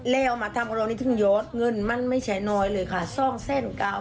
เล่อออกมาทำกับเรานี่ถึงย้อนเงินมันไม่ใช้น้อยเลยค่ะซ่องเส้นกาว